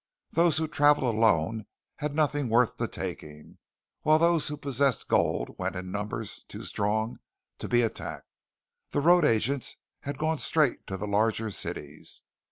Those who travelled alone had nothing worth the taking; while those who possessed gold went in numbers too strong to be attacked. The road agents had gone straight to the larger cities.